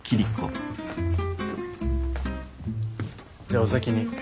じゃあお先に。